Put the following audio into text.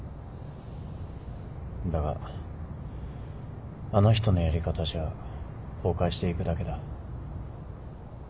だがあの人のやり方じゃ崩壊していくだけだ。